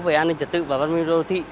về an ninh trật tự và văn minh đô thị